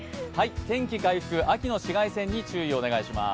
天気回復、秋の紫外線に注意をお願いします。